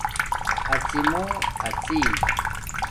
اڎی مݸ اڎݵ